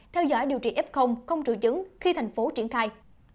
theo dõi điều trị f không trừ chứng khi thành phố triển khai